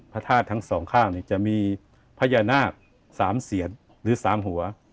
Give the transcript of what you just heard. พระธาตุทั้งสองข้างเนี่ยจะมีพญานาคสามเสียรหรือสามหัว